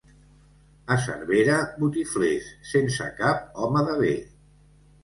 A Cervera, botiflers, sense cap home de bé.